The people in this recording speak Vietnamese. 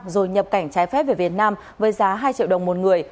rồi nhập cảnh trái phép về việt nam với giá hai triệu đồng một người